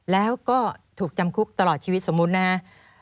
แล้วก็ถูกจำคุกตลอดชีวิตสมมุตินะฮะ